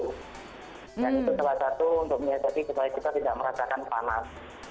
dan itu salah satu untuk menyiasati supaya kita tidak merasakan panas